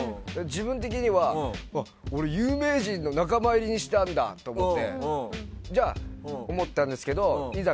自分的には、俺有名人の仲間入りしたんだ！って思ったんですけどいざ